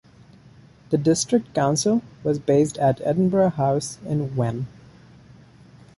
The district council was based at Edinburgh House, in Wem.